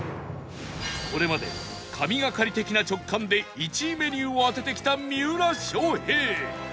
これまで神がかり的な直感で１位メニューを当ててきた三浦翔平